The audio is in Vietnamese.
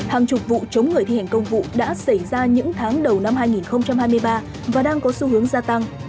hàng chục vụ chống người thi hành công vụ đã xảy ra những tháng đầu năm hai nghìn hai mươi ba và đang có xu hướng gia tăng